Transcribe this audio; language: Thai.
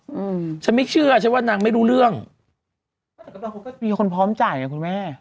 อืมฉันไม่เชื่อใช่ไหมว่านางไม่รู้เรื่องมีคนพร้อมจ่ายอ่ะคุณแม่